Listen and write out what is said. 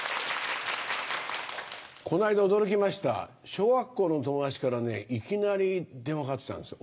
この間驚きました小学校の友達からねいきなり電話かかって来たんですよ。